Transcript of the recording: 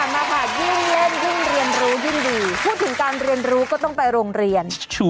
มาค่ะยิ่งเล่นยิ่งเรียนรู้ยิ่งดีพูดถึงการเรียนรู้ก็ต้องไปโรงเรียน